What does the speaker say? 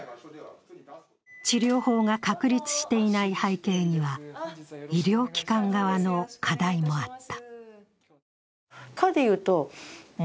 治療法が確立していない背景には医療機関側の課題もあった。